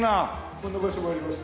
こんな場所もありますね。